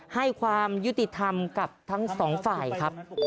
ให้ความยุติธรรมกับทั้งสองฝ่ายครับ